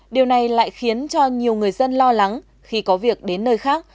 điều này lại khiến cho nhiều người dân lo lắng khi có việc đến nơi khác